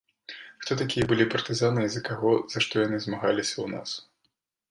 Хто такія былі партызаны і за каго, за што яны змагаліся ў нас?